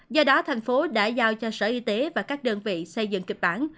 do đó thành phố đã giao cho sở y tế và các đơn vị xây dựng kịch bản